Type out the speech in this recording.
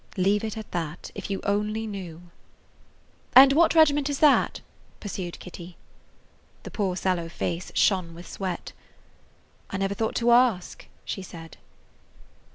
Leave it at that! If you only knew–" "And what regiment is that?" pursued Kitty. The poor sallow face shone with sweat. "I never thought to ask," she said.